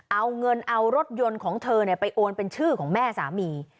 เอาเงินเอารถยนต์ของเธอไปโอนเป็นชื่อของแม่สามี